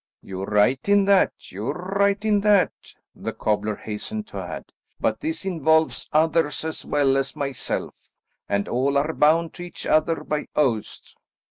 "You're right in that; you're right in that," the cobbler hastened to add, "but this involves others as well as myself, and all are bound to each other by oaths."